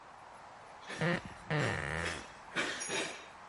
Vzniká při tom kyselina mléčná.